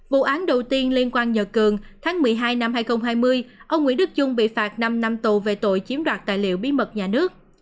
vụ án đầu tiên liên quan nhờ cường tháng một mươi hai năm hai nghìn hai mươi ông nguyễn đức trung bị phạt năm năm tù về tội chiếm đoạt tài liệu bí mật nhà nước